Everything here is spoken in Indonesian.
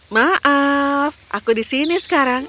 maaf aku di sini sekarang